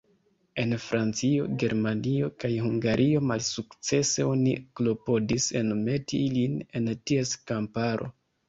En Francio, Germanio, kaj Hungario malsukcese oni klopodis enmeti ilin en ties kamparo.